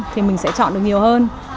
thì mình sẽ chọn được nhiều hơn